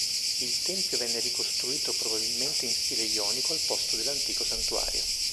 Il tempio venne ricostruito probabilmente in stile ionico al posto dell'antico santuario.